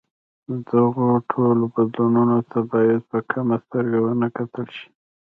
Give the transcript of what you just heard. دغو ټولو بدلونونو ته باید په کمه سترګه ونه کتل شي.